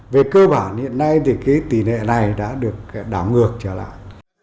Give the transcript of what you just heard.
về cơ bản hiện nay thì cái tỷ lệ này đã được đảo ngược trở lại